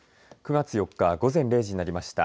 ９月４日午前０時になりました。